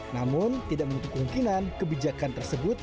namun tidak mungkin kebijakan tersebut